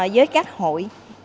với các hội